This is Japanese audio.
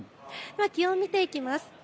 気温、見ていきます。